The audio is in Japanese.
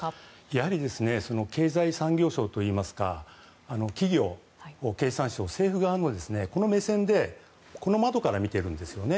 やはり経済産業省といいますか企業、経産省、政府側もこの目線でこの窓から見てるんですよね。